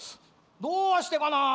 どうしてかなあ。